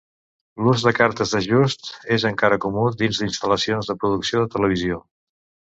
L'ús de cartes d'ajust és encara comú dins d'instal·lacions de producció de televisió.